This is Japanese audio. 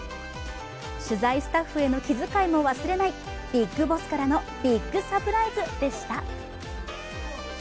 取材スタッフへの気遣いも忘れないビッグボスからのビッグサプライズでした。